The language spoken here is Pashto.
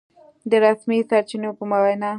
د رسمي سرچينو په وينا